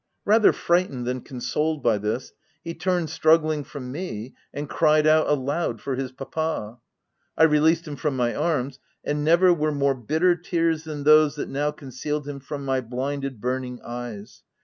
Rather frightened than consoled by this, he turned struggling from me and cried out aloud for his papa. I released him from my arms, and never were more bitter tears than those that now concealed him from my blinded, burning eyes.